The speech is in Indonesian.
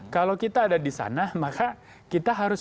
kalau kita ada disana maka kita harus